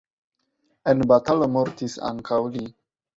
En batalo mortis ankaŭ li.